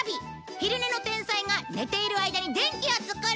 昼寝の天才が寝ている間に電気を作る！